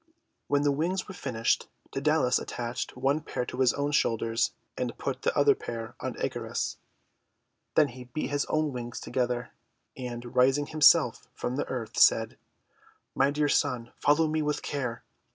When the wings were finished, Dsedalus at tached one pair to his own shoulders, and put the other pair on Icarus. Then he beat his own wings together, and, raising himself from the earth, said : 'My dear son, follow me with care.